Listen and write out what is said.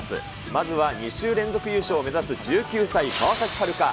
まずは２週連続優勝を目指す１９歳、川崎春花。